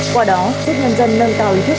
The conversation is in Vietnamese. qua đó giúp nhân dân nâng cao ý thức